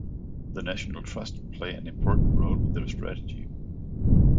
The National Trust play an important role with their strategy.